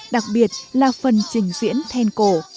đặc biệt là phần trình diễn thanh cửa